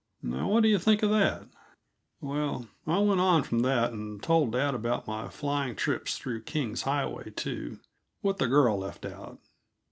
Now, what do you think of that? Well, I went on from that and told dad about my flying trips through King's Highway, too with the girl left out.